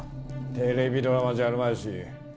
テレビドラマじゃあるまいしあり得ない。